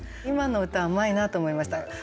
今の歌うまいなと思いました。